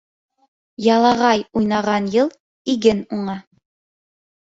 Ялағай уйнаған йыл иген уңа.